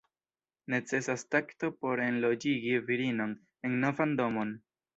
Necesas takto por enloĝigi virinon en novan domon.